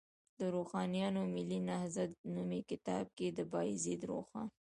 د روښانیانو ملي نهضت نومي کتاب کې، د بایزید روښان